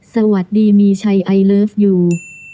สวัสดีมีชัยไอเลิฟยู